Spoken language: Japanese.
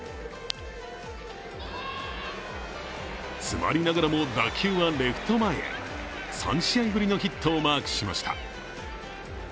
詰まりながらも、打球はレフト前へ３試合ぶりのヒットをマークしました。